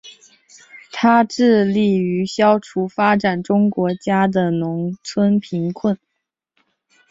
它致力于消除发展中国家的农村贫困。